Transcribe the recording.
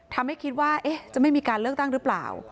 คิดว่าจะไม่มีการเลือกตั้งหรือเปล่า